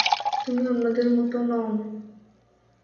তুমি অন্যদের মতো নও।